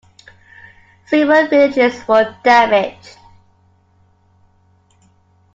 Several villages were damaged.